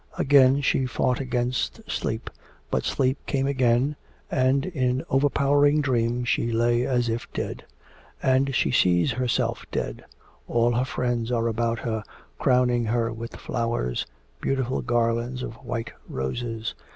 Again she fought against sleep, but sleep came again, and in overpowering dream she lay as if dead. And she sees herself dead. All her friends are about her crowning her with flowers, beautiful garlands of white roses.